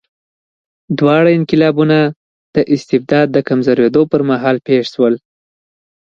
دواړه انقلابونه د استبداد د کمزورېدو پر مهال پېښ شول.